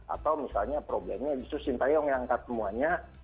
atau misalnya problemnya itu shintayong yang angkat semuanya